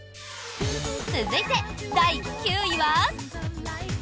続いて、第９位は。